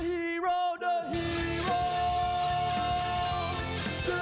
สวัสดีครับทุกคน